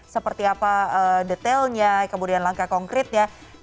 seperti apa detailnya kemudian langkah konkretnya